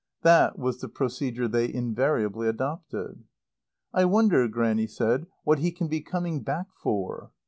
That was the procedure they invariably adopted. "I wonder," Grannie said, "what he can be coming back for!"